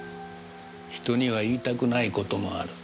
人には言いたくないこともある。